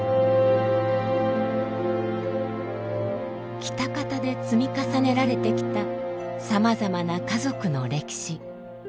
喜多方で積み重ねられてきたさまざまな家族の歴史。